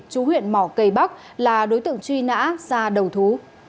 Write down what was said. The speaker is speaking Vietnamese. chú huyện mỏ cây bắc là đối tượng truy nã ra đầu thú